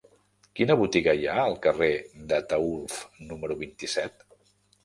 Quina botiga hi ha al carrer d'Ataülf número vint-i-set?